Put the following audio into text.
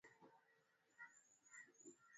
ulikuwa rahisi sana na mzuri kwa Waturuki na